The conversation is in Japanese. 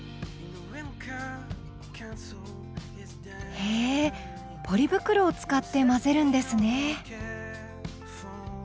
へえポリ袋を使って混ぜるんですね。